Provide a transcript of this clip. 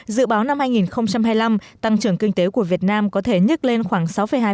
dự báo năm hai nghìn hai mươi năm tăng trưởng kinh tế của việt nam có thể nhức lên khoảng sáu hai